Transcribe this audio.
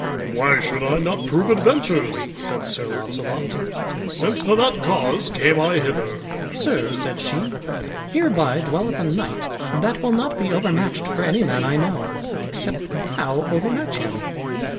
"Why should I not prove adventures?" said Sir Launcelot, "since for that cause came I hither." "Sir," said she, "hereby dwelleth a knight that will not be overmatched for any man I know, except thou overmatch him.